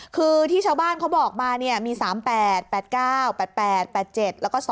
คือที่ชาวบ้านเขาบอกมาเนี่ยมี๓๘๘๙๘๘๗แล้วก็๒๕